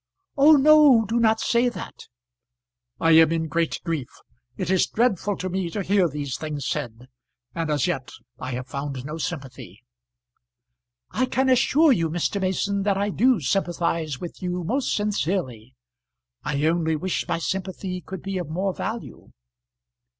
"Oh no; do not say that." "I am in great grief. It is dreadful to me to hear these things said, and as yet I have found no sympathy." "I can assure you, Mr. Mason, that I do sympathise with you most sincerely. I only wish my sympathy could be of more value."